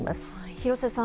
廣瀬さん